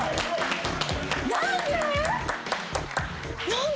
何で？